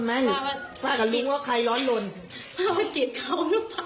ไม่ใช่จิตเขาหรือเปล่า